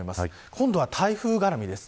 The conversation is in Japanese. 今度は台風絡みです。